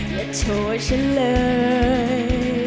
อย่าโทษฉันเลย